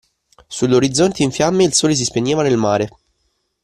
Sull'orizzonte in fiamme il sole si spegneva nel mare.